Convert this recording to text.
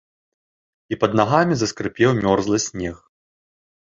І пад нагамі заскрыпеў мёрзлы снег.